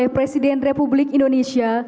presiden republik indonesia